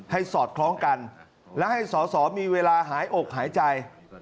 สอดคล้องกันและให้สอสอมีเวลาหายอกหายใจ